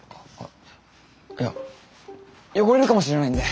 いや汚れるかもしれないんで。